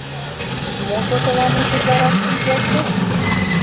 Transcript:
— Можо тыланет утларакшым келшыш?